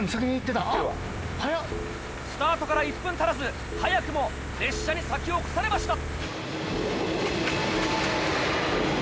スタートから１分足らず早くも列車に先を越されました。